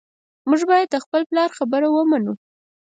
موږ باید د خپل پلار خبره ومنو